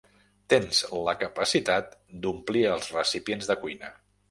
Tens la capacitat d'omplir els recipients de cuina.